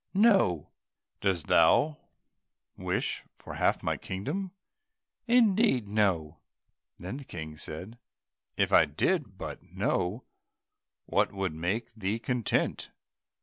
"No." "Dost thou wish for half my kingdom?" "Indeed, no." Then said the King, "if I did but know what would make thee content.